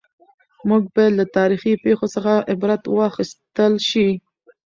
موږ باید له تاریخي پېښو څخه عبرت واخیستل شي.